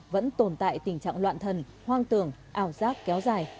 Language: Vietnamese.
vẫn tồn tại tình trạng loạn thần hoang tưởng ảo giác kéo dài